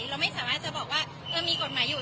เราไม่สามารถจะบอกว่าเรามีกฎหมายอยู่